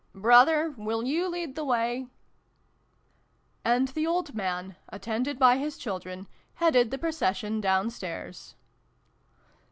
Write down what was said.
Brother, will you lead the way ?" And the old man, attended by his children, headed the procession down stairs.